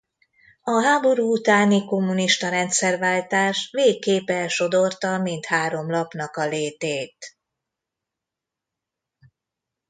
A háború utáni kommunista rendszerváltás végképp elsodorta mindhárom lapnak a létét.